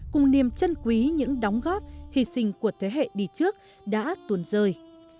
cùng niềm chân quý những đóng góp hy sinh của thế hệ đi trước đã tuồn rơi